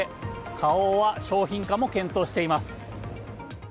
花王は商品化も検討しています。